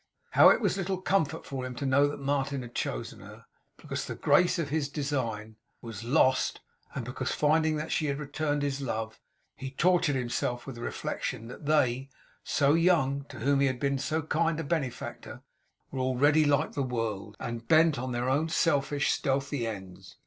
How it was little comfort to him to know that Martin had chosen Her, because the grace of his design was lost, and because finding that she had returned his love, he tortured himself with the reflection that they, so young, to whom he had been so kind a benefactor, were already like the world, and bent on their own selfish, stealthy ends.